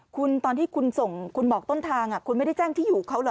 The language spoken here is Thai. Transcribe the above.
คุณบอกต้นทางคุณไม่ได้แจ้งที่อยู่เขาเหรอ